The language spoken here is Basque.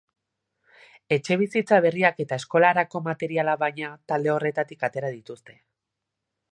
Etxebizitza berriak eta eskolarako materiala, baina, talde horretatik atera dituzte.